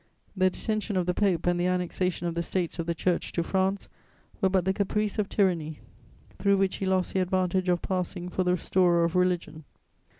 The detention of the Pope and the annexation of the States of the Church to France were but the caprice of tyranny through which he lost the advantage of passing for the restorer of religion.